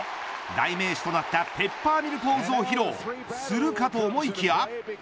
代名詞となったペッパーミルポーズを披露するかと思いきや。